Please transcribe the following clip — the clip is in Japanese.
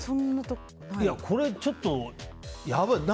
これ、ちょっとやばいよ